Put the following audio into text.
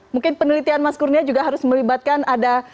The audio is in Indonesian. mungkin penelitian mas kurnia juga harus melibatkan ada